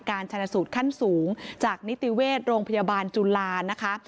การชนะสูตรขั้นสูงจากนิติเวชโรงพยาบาลจุฬานะคะ